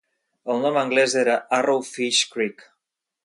El nom anglès era "Arrow Fish Creek".